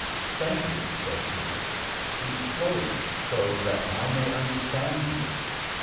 "Thank you," said he; "speak slowly, so that I may understand you."